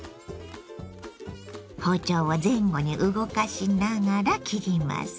包丁を前後に動かしながら切ります。